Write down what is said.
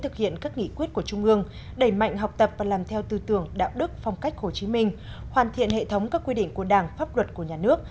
tạo và làm theo tư tưởng đạo đức phong cách hồ chí minh hoàn thiện hệ thống các quy định của đảng pháp luật của nhà nước